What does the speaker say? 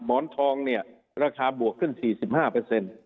หมอนทองเนี่ยราคาบวกขึ้น๔๕เปอร์เซ็นต์